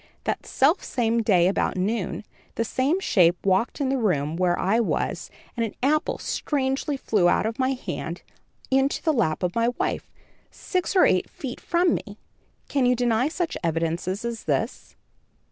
That selfsame day, about noon, the same shape walked in the room where I was, and an apple strangely flew out of my hand, into the lap of my wife, six or eight feet from me. Can you deny such evidences as this?"